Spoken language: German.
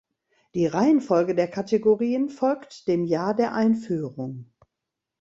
Die Reihenfolge der Kategorien folgt dem Jahr der Einführung.